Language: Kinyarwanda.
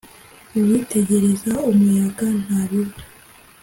uwitegereza umuyaga ntabiba